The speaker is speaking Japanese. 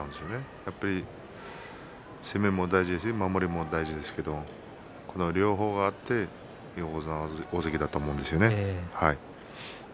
やっぱり攻めも大事だし守りも大事ですけれどこの両方があって横綱大関だと思うんですね。